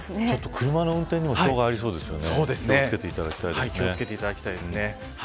車の運転にも障害がありそうですね。